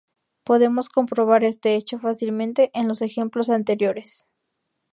Podemos comprobar este hecho fácilmente en los ejemplos anteriores.